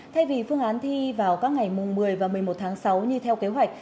thay vì phương án thi vào các ngày mùng một mươi và một mươi một tháng sáu như theo kế hoạch